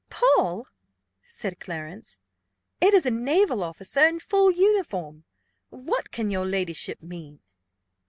"Paul!" said Clarence; "it is a naval officer in full uniform: what can your ladyship mean?"